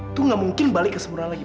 itu gak mungkin balik ke semurah lagi